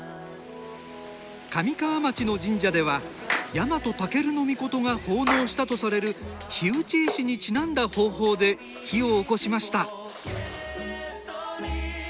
神川町の神社では日本武尊が奉納したとされる火打ち石にちなんだ方法で火をおこしました。